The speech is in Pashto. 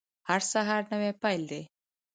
هر سهار نوی پیل دی